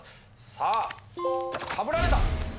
さあかぶられた！